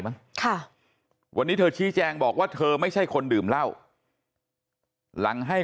ไหมค่ะวันนี้เธอชี้แจงบอกว่าเธอไม่ใช่คนดื่มเหล้าหลังให้